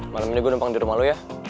malam ini gue numpang di rumah lo ya